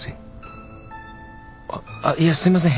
あっいやすいません